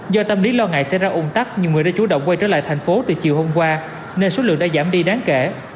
do tâm lý lo ngại sẽ ra ủng tắc nhiều người đã chủ động quay trở lại thành phố từ chiều hôm qua nên số lượng đã giảm đi đáng kể